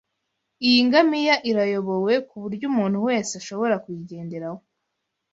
Iyi ngamiya irayobowe kuburyo umuntu wese ashobora kuyigenderaho.